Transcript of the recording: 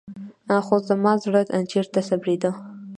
خو زما زړه چېرته صبرېده.